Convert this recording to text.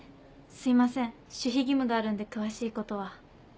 すいません守秘義務があるんで詳しいことは。